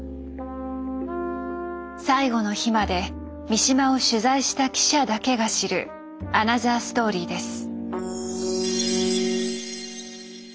最後の日まで三島を取材した記者だけが知るアナザーストーリーです。